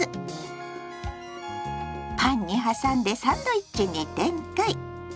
パンに挟んでサンドイッチに展開！